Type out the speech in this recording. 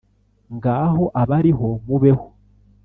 Ngaho abariho mubeho